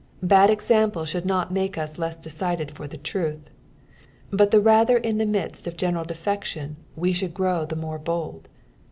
Bad example should not make us less decided for the truth, but the rather in the midst of genenil defection we should grow the more bold.